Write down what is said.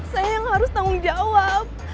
saya yang harus tanggung jawab